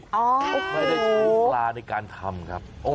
เพื่อใช้ปลาในการทำครับ